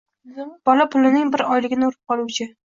bola pulining bir oyligini urib qoluvchi